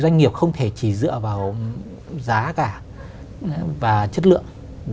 doanh nghiệp không thể chỉ dựa vào giá cả và chất lượng